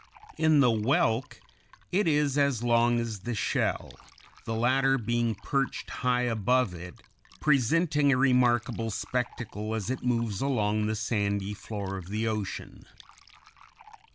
In the whelk it is as long as the shell, the latter being perched high above it, presenting a remarkable spectacle as it moves along the sandy floor of the ocean.